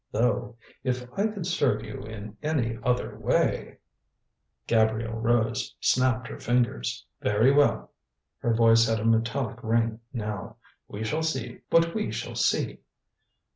Though, if I could serve you in any other way " Gabrielle Rose snapped her fingers. "Very well." Her voice had a metallic ring now. "We shall see what we shall see."